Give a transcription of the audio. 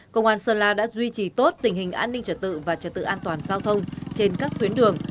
công an sơn la đã duy trì tốt tình hình an ninh trật tự và trở tự an toàn giao thông trên các tuyến đường